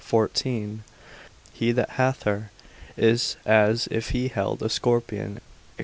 14, He that hath her is as if he held a scorpion, &c.